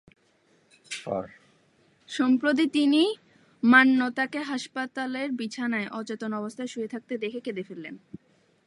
সম্প্রতি তিনি মান্যতাকে হাসপাতালের বিছানায় অচেতন অবস্থায় শুয়ে থাকতে দেখে কেঁদে ফেলেন।